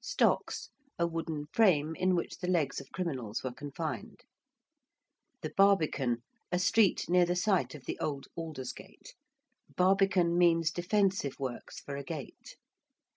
~stocks~: a wooden frame in which the legs of criminals were confined. ~The Barbican~: a street near the site of the old Aldersgate. Barbican means defensive works for a gate.